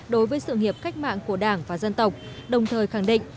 đối với sự nghiệp cách mạng của đảng và dân tộc đồng thời khẳng định